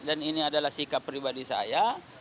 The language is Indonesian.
dan ini adalah sikap pribadi saya